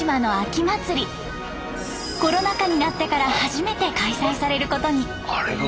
コロナ禍になってから初めて開催されることに。